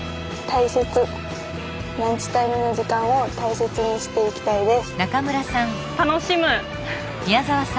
ランチタイムの時間を大切にしていきたいです。